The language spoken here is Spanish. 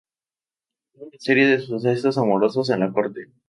Tuvo una serie de sucesos amorosos en la Corte.